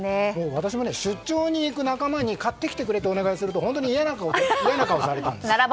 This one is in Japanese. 私も出張に行く仲間に買ってきてくれってお願いすると本当に嫌な顔をされたんです。